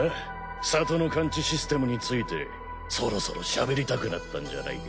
里の感知システムについてそろそろしゃべりたくなったんじゃないか？